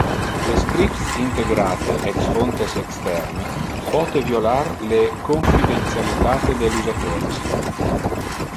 Le scripts integrate ex fontes externe pote violar le confidentialitate del usatores.